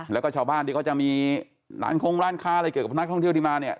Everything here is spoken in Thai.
แล้วก็ชาวบ้านที่เขาจะมีร้านคงร้านค้าอะไรเกี่ยวกับนักท่องเที่ยวที่มาเนี่ย